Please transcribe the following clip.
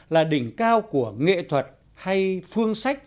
là đỉnh cao của nghệ thuật hay phương sách